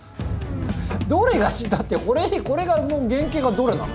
どれが？だってこれの原型がどれなの？